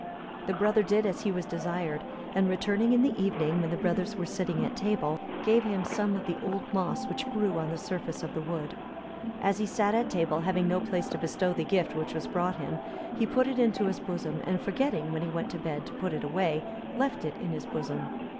The brother did as he was desired; and returning in the evening, when the brothers were sitting at table, gave him some of the old moss which grew on the surface of the wood. As he sat at table, having no place to bestow the gift which was brought him, he put it into his bosom; and forgetting, when he went to bed, to put it away, left it in his bosom.